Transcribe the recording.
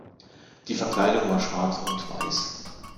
Die Verkleidung war schwarz und weiß.